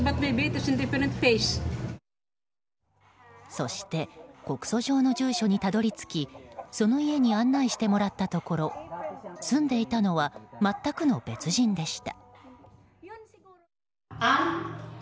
そして告訴状の住所にたどり着きその家に案内してもらったところ住んでいたのは全くの別人でした。